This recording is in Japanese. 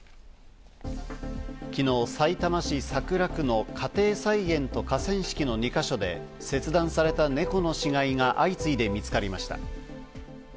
昨日、さいたま市桜区の家庭菜園と河川敷の２か所で、切断された猫の死骸が相次いで見つかりました。